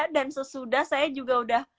dan sesudah saya juga udah